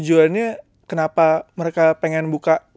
tujuannya kenapa mereka pengen buka